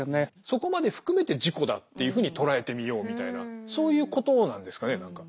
そこまで含めて自己だっていうふうに捉えてみようみたいなそういうことなんですかね何か。